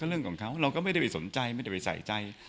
เรื่องของเขาเราก็ไม่ได้ไปสนใจไม่ได้ไปใส่ใจ